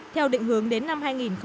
theo định hướng đến năm hai nghìn hai mươi